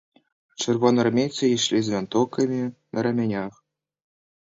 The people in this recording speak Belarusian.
Чырвонаармейцы ішлі з вінтоўкамі на рамянях.